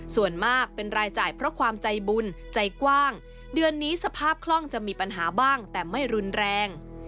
ส่วนมากเป็นรายจ่ายเพราะความใจบุญใจกว้างเดือนนี้สภาพคล่องจะมีปัญหาบ้างแต่ไม่รุนแรง